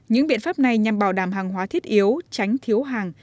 những biện pháp này nhằm bảo đảm hàng hóa thiết yếu tránh thiếu hàng